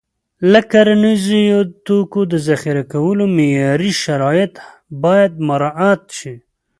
د کرنیزو توکو د ذخیره کولو معیاري شرایط باید مراعت شي.